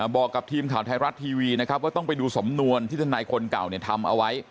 บอกกับทีมข่าวไทยรัฐทีวีนะครับว่าต้องไปดูสำนวนที่ทนายคนเก่าทำเอาไว้